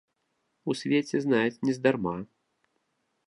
У свеце знаюць нездарма!